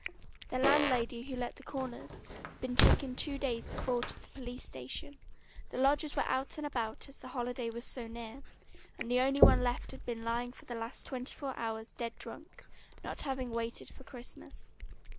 The landlady who let the "corners" had been taken two days before to the police station, the lodgers were out and about as the holiday was so near, and the only one left had been lying for the last twenty four hours dead drunk, not having waited for Christmas.